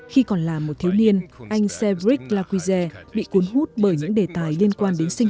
khi còn là một thiếu niên anh sebrick lauje bị cuốn hút bởi những đề tài liên quan đến sinh